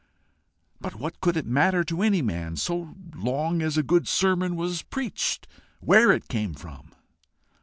But what could it matter to any man, so long as a good sermon was preached, where it came from?